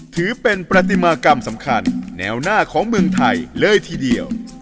ถือเป็นประติมากรรมสำคัญแนวหน้าของเมืองไทยเลยทีเดียว